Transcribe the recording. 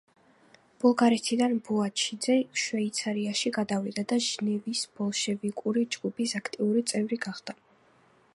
ბულგარეთიდან ბუაჩიძე შვეიცარიაში გადავიდა და ჟენევის ბოლშევიკური ჯგუფის აქტიური წევრი გახდა.